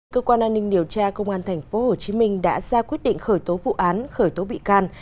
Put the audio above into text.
cơ quan an ninh điều tra công an tp hcm đã ra quyết định khởi tố vụ án khởi tố bị can